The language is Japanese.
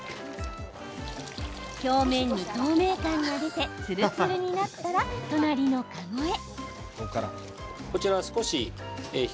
表面に透明感が出てツルツルになったら、隣の籠へ。